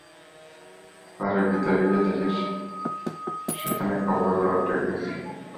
বাড়ির ভিতরে গিয়ে দেখি সেখানে খবর রটে গেছে।